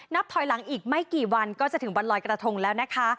ถอยหลังอีกไม่กี่วันก็จะถึงวันลอยกระทงแล้วนะคะ